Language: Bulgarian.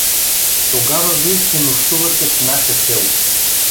— Тогава вие ще нощувате в наше село?